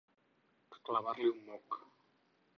Clavar-li un moc.